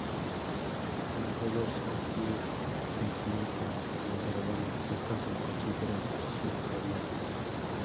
Al no poderse incluir el infinito en el intervalo, estos se consideran siempre abiertos.